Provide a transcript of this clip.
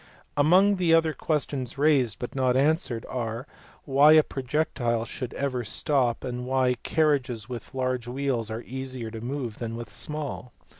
Among other questions raised, but not answered, are why a projectile should ever stop, and why carriages with large wheels are easier to move than those with small.